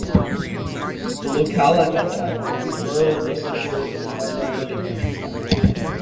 The locale at that time was rural Worcestershire farmland and countryside.